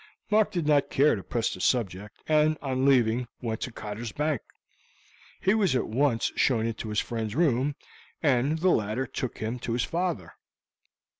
Mark did not care to press the subject, and on leaving went to Cotter's Bank. He was at once shown into his friend's room, and the latter took him to his father.